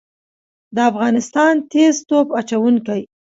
د افغانستان تیز توپ اچوونکي